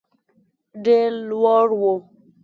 ډېر لوړ وو.